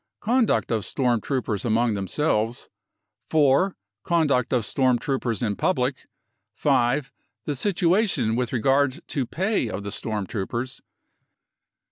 Conduct of storm troopers among themselves. " 4. Conduct of storm troopers in public. " 5. The situation with regard to pay of the storm troopers.